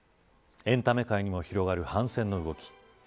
エンタメ界にも広がる反戦の動き。